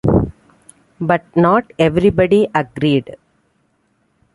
But not everybody agreed.